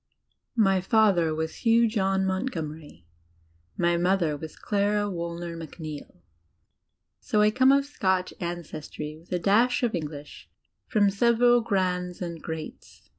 My father was Hugh John Montgomery; my mother was I"l h; Google Clara Woolner Macneill. So I come of Scotch ancestry, with a dash of EngHsh from several "grands" and "greats."